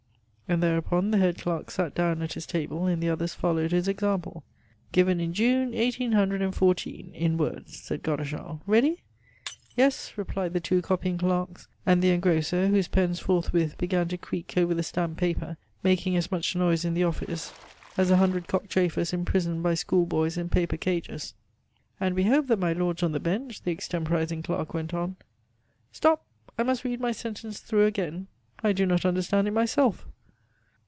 And thereupon the head clerk sat down at his table, and the others followed his example. "Given in June eighteen hundred and fourteen (in words)," said Godeschal. "Ready?" "Yes," replied the two copying clerks and the engrosser, whose pens forthwith began to creak over the stamped paper, making as much noise in the office as a hundred cockchafers imprisoned by schoolboys in paper cages. "And we hope that my lords on the Bench," the extemporizing clerk went on. "Stop! I must read my sentence through again. I do not understand it myself."